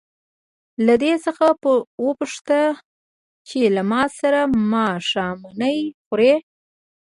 له دې څخه وپوښته چې له ما سره ماښامنۍ خوري.